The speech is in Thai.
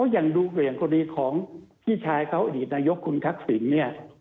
อย่างดูอย่างคดีของพี่ชายเขาอดีตนายกคุณทักษิณเนี่ย